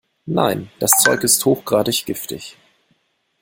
Nein, das Zeug ist hochgradig giftig.